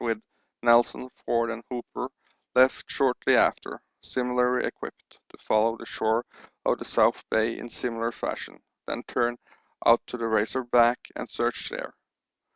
with Nelson, Forde, and Hooper, left shortly after, similarly equipped, to follow the shore of the South Bay in similar fashion, then turn out to the Razor Back and search there.